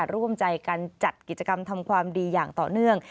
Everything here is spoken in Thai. ร่วมใจกันจัดกิจกรรมทำความดีอย่างต่อเนื่อง